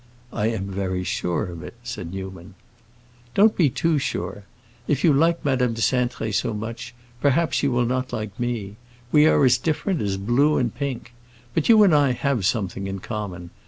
"I am very sure of it," said Newman. "Don't be too sure. If you like Madame de Cintré so much, perhaps you will not like me. We are as different as blue and pink. But you and I have something in common.